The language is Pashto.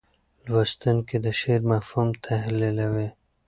لوستونکي د شعر مفهوم تحلیلوي.